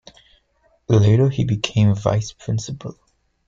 Later he became Vice-Principal.